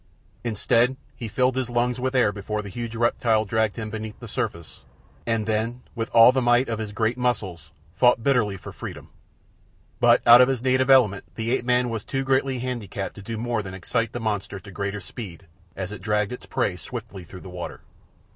Instead, he filled his lungs with air before the huge reptile dragged him beneath the surface, and then, with all the might of his great muscles, fought bitterly for freedom. But out of his native element the ape man was too greatly handicapped to do more than excite the monster to greater speed as it dragged its prey swiftly through the water.